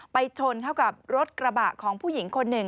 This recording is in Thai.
ไปชนเข้ากับรถกระบะของผู้หญิงคนหนึ่ง